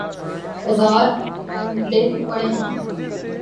بازار مندے پڑے ہیں۔